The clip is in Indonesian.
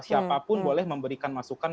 siapapun boleh memberikan masukan